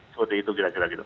seperti itu kira kira gitu